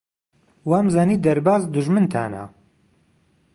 وامزانی دەرباز دوژمنتانە.